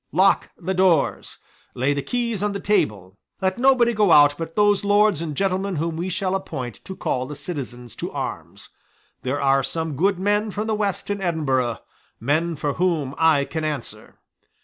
Lock the doors. Lay the keys on the table. Let nobody go out but those lords and gentlemen whom we shall appoint to call the citizens to arms. There are some good men from the West in Edinburgh, men for whom I can answer."